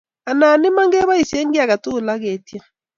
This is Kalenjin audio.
anan Iman keboishen kiiy age tugul ago tyen